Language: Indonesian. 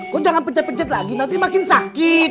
kau jangan pencet pencet lagi nanti makin sakit